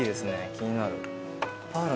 気になる。